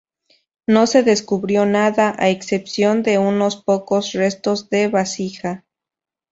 No se descubrió nada, a excepción de unos pocos restos de vasija.